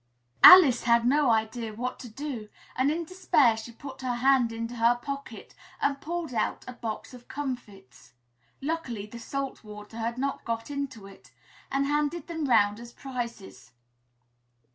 Alice had no idea what to do, and in despair she put her hand into her pocket and pulled out a box of comfits (luckily the salt water had not got into it) and handed them 'round as prizes.